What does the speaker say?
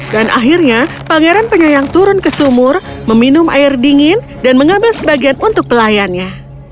dan akhirnya pangeran penyayang turun ke sumur meminum air dingin dan mengambil sebagian untuk pelayannya